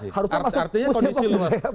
harusnya masuk musim pemulihan